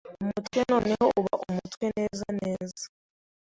umutwe noneho uba umutwe neza neza,